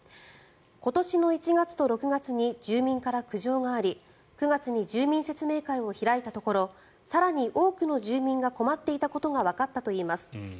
今年の１月と６月に住民から苦情があり９月に住民説明会を開いたところ更に多くの住民が困っていたことがわかったといいます。